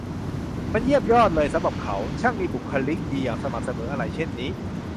มันเยี่ยมยอดเลยสำหรับเขา ช่างมีบุคคลิกดีอย่างสม่ำเสมออะไรเช่นนี้